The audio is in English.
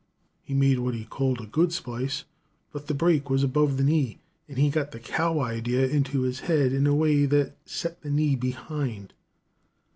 He made what he called a good splice, but the break was above the knee, and he got the cow idea into his head in a way that set the knee behind.